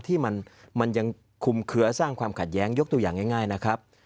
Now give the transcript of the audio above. ที่มันยังคุมเคลือสร้างความขัดแย้งยกตัวอย่างง่ายนะครับ